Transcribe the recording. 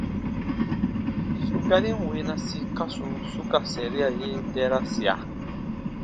Su garin weenasi kasu su ka saria ye dɛɛrasia :